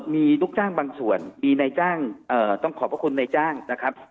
มีลูกจ้างบางส่วนมีนายจ้างต้องขอบพระคุณในจ้างนะครับ